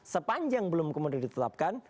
sepanjang belum kemudian ditetapkan